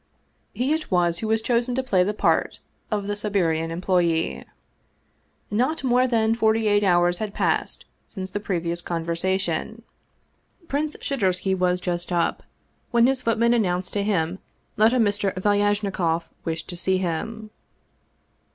He it was who was chosen to play the part of the Si berian employee. Not more than forty eight hours had passed since the previous conversation. Prince Shadursky was just up, when his footman announced to him that a Mr. Valyaj nikoff wished to see him.